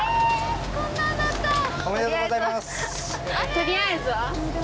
取りあえずは。